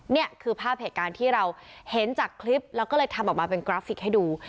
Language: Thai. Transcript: นี่คือภาพเหตุการณ์ที่เราเห็นจากคลิปแล้วก็เลยทำออกมาเป็นกราฟิกให้ดู